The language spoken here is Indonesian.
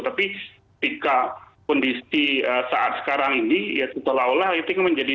tapi ketika kondisi saat sekarang ini ya seolah olah itu menjadi